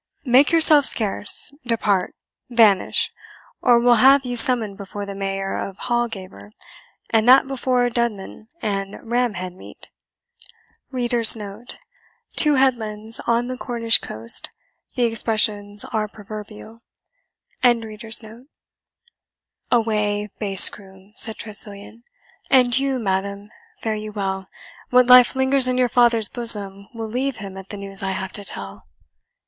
Make yourself scarce depart vanish or we'll have you summoned before the Mayor of Halgaver, and that before Dudman and Ramhead meet." [Two headlands on the Cornish coast. The expressions are proverbial.] "Away, base groom!" said Tressilian. "And you, madam, fare you well what life lingers in your father's bosom will leave him at the news I have to tell."